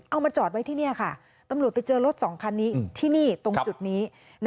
เอามาจอดไว้ที่นี่ค่ะตำรวจไปเจอรถสองคันนี้ที่นี่ตรงจุดนี้